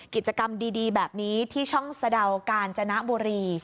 กิจกรรมดีแบบนี้ที่ช่องสะดาวกาญจนบุรี